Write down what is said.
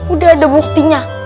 udah ada buktinya